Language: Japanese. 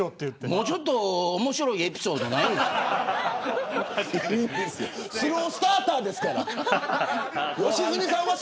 もうちょっと面白いエピソードないの。